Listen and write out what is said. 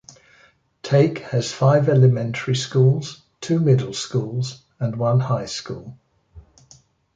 Take has five elementary schools, two middle schools and one high school.